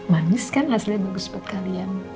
manis kan hasilnya bagus buat kalian